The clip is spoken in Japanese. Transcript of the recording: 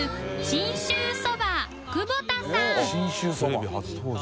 「信州そば」「テレビ初登場」